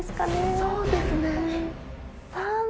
そうですね。